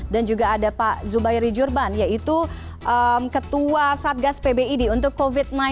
dan juga ada pak zubairi jurban yaitu ketua satgas pbid untuk covid sembilan belas